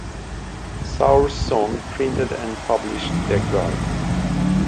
Saur's son printed and published the guide.